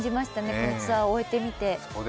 このツアーを終えてみて。